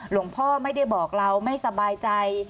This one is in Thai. หลวงพ่อไม่ได้บอกเราไม่สบายใจ